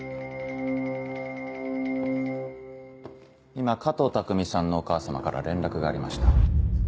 今加藤匠さんのお母様から連絡がありました。